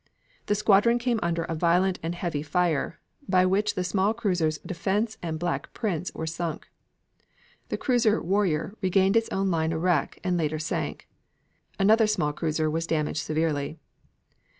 The squadron came under a violent and heavy fire by which the small cruisers Defense and Black Prince were sunk. The cruiser Warrior regained its own line a wreck and later sank. Another small cruiser was damaged severely.